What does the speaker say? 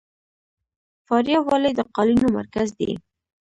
فاریاب ولې د قالینو مرکز دی؟